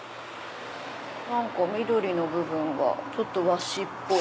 何か緑の部分がちょっと和紙っぽい。